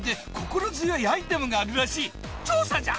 調査じゃ！